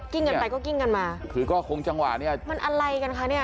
กันไปก็กิ้งกันมาคือก็คงจังหวะเนี้ยมันอะไรกันคะเนี่ย